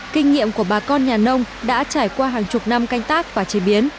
kinh nghiệm của bà con nhà nông đã trải qua hàng chục năm canh tác và chế biến